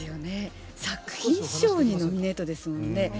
作品賞にノミネートですものね。